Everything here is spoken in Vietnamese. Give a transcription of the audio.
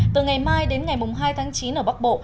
từ ngày mai đến ngày hai tháng chín ở bắc bộ